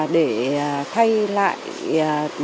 để thay lại